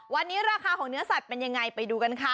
วันนี้ราคาของเนื้อสัตว์เป็นยังไงไปดูกันค่ะ